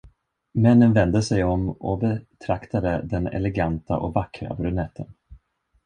Männen vände sig om och betraktade den eleganta och vackra brunetten.